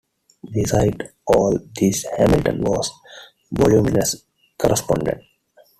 Besides all this, Hamilton was a voluminous correspondent.